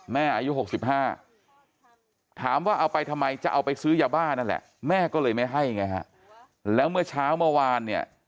อายุ๖๕ถามว่าเอาไปทำไมจะเอาไปซื้อยาบ้านั่นแหละแม่ก็เลยไม่ให้ไงฮะแล้วเมื่อเช้าเมื่อวานเนี่ย